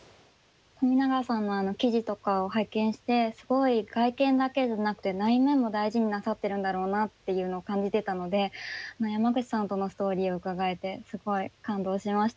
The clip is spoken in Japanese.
冨永さんの記事とかを拝見してすごい外見だけじゃなくて内面も大事になさってるんだろうなっていうのを感じてたので山口さんとのストーリーを伺えてすごい感動しました。